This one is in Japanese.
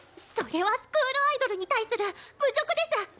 それはスクールアイドルに対する侮辱デス！